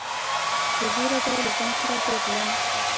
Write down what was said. په زوره به يې له ځان سره بوتلم.